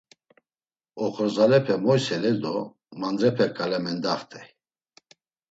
Oxorzalepe moyseley do mandrepe ǩale mendaxt̆ey.